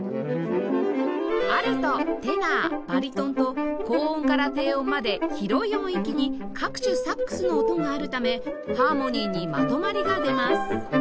アルトテナーバリトンと高音から低音まで広い音域に各種サックスの音があるためハーモニーにまとまりが出ます